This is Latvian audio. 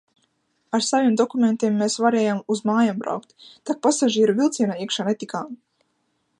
Ar saviem dokumentiem mēs varējām uz mājām braukt, tak pasažieru vilcienā iekšā netikām.